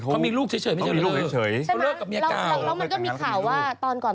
การไช่จะไม่ยุ่งจะไปเท่านั้น